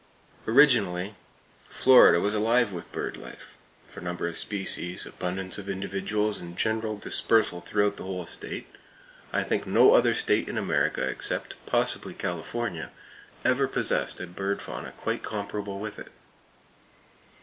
Originally, Florida was alive with bird life. For number of species, abundance of individuals, and general dispersal throughout the whole state, I think no other state in America except possibly California ever possessed a bird fauna quite comparable with it.